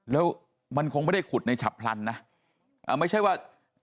แล้วมันคงไม่ได้ขุดในฉับพลันนะไม่ใช่ว่า